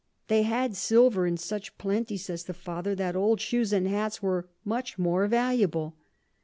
They had Silver in such plenty, says the Father, that old Shoes and Hats were much more valuable.